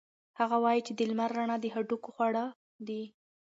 هغه وایي چې د لمر رڼا د هډوکو خواړه دي.